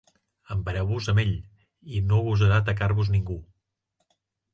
Empareu-vos amb ell, i no gosarà atacar-vos ningú!